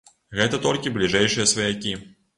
Гэта толькі бліжэйшыя сваякі.